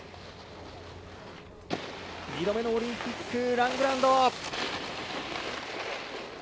２度目のオリンピックラングランド。